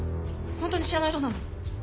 本当に知らない人なの。